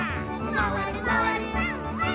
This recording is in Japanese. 「まわるまわる」ワンワン！